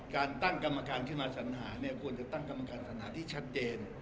การตั้งกรรมการขึ้นมาสัญหาเนี่ยควรจะตั้งกรรมการสัญหาที่ชัดเจน